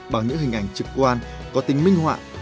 bằng những hình ảnh trực quan có tính minh họa